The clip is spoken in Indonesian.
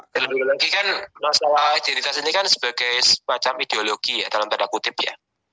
dan lebih lagi kan masalah identitas ini kan sebagai semacam ideologi ya dalam tanda kutip ya